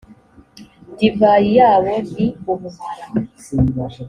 divayi yabo ni ubumara